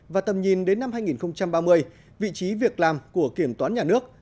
và tầm nhìn đến năm hai nghìn ba mươi vị trí việc làm của kiểm toán nhà nước